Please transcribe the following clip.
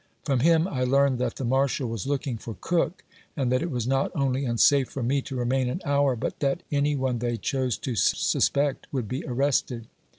From him I learned that the Marshal was looking for Cook, and that it was not only unsafe for ine to remain an hour, but that any one they chose to suspect would be arrested.